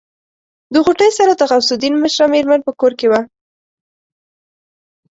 له غوټۍ سره د غوث الدين مشره مېرمن په کور کې وه.